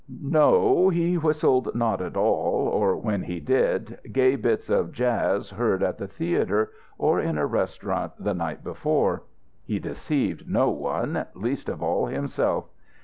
No; he whistled not at all, or, when he did, gay bits of jazz heard at the theatre or in a restaurant the night before. He deceived no one, least of all himself.